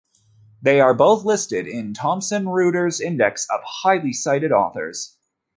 They are both listed in Thomson Reuters' index of highly cited authors.